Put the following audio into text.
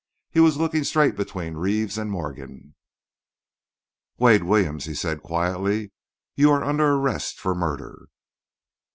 He was looking straight between Reeves and Morgan. "Wade Williams," he said quietly, "you are under arrest for murder."